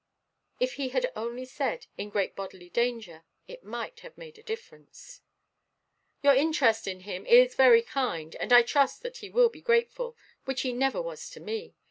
If he had only said "in great bodily danger," it might have made a difference. "Your interest in him is very kind; and I trust that he will be grateful, which he never was to me.